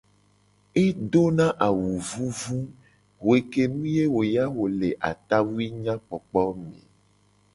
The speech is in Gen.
Edona awu vuvu hue ke nu ye wo ya wo le atawui nyakpokpo me.